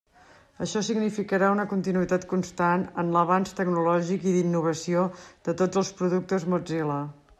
Això significarà una continuïtat constant en l'avanç tecnològic i d'innovació de tots els productes Mozilla.